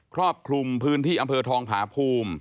ครอบคลุมพื้นที่อำเภอทองผาภูมิ